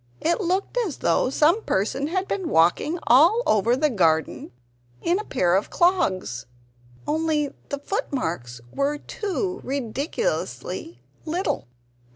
It looked as though some person had been walking all over the garden in a pair of clogs only the footmarks were too ridiculously little!